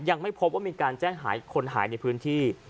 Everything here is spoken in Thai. ยังไม่พบว่ามีการแจ้งหายคนหายในพื้นที่